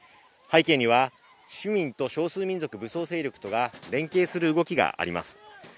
背景には、市民と少数民族、武装勢力とが連携する動きがあります。